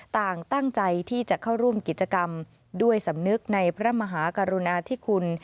ต่างตั้งใจที่จะเข้าร่วมกิจกรรมด้วยสำนึกในพระมหากรุณาธิคุณ